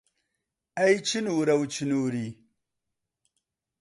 ئەی چنوورە و چنووری